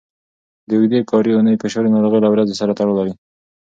د اوږدې کاري اونۍ فشار د ناروغۍ له ورځې سره تړاو لري.